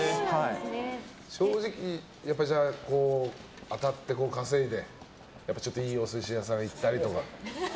正直、当たって稼いでちょっといいお寿司屋さん行ったりとか。